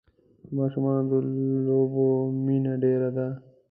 د ماشومان د لوبو مینه ډېره ده.